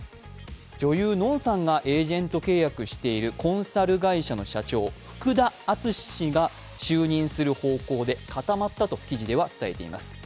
女優・のんさんがエージェント契約しているコンサル会社の社長、福田淳氏が就任する方向で固まったと記事では伝えています。